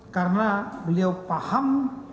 karena beliau paham